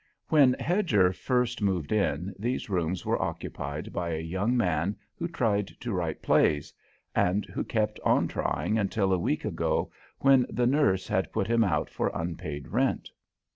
When Hedger first moved in, these rooms were occupied by a young man who tried to write plays, and who kept on trying until a week ago, when the nurse had put him out for unpaid rent.